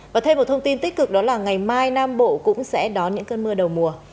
và thêm một thông tin tích cực đó là ngày mai nam bộ cũng sẽ đón những cơn mưa đầu mùa